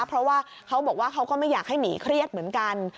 เพราะว่าเขาบอกว่าเขาก็ไม่อยากให้หมีเครียดเหมือนกัน